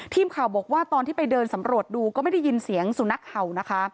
ทีมข่าวบอกว่าตอนที่ไปเดินสำรวจดูก็ไม่ได้ยินเสียงสุนัขเห่านะคะ